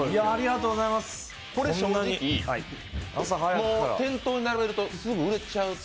これ、正直、店頭に並べるとすぐ売れちゃう？